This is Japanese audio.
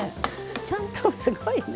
ちゃんとすごいね。